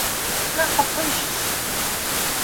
НэхъыфӀыжщ!